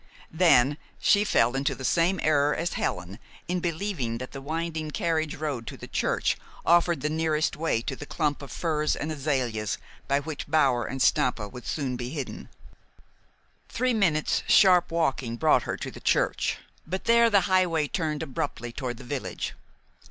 Then she fell into the same error as Helen in believing that the winding carriage road to the church offered the nearest way to the clump of firs and azaleas by which Bower and Stampa would soon be hidden. Three minutes' sharp walking brought her to the church, but there the highway turned abruptly toward the village.